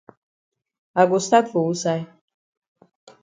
I go stat for wusaid?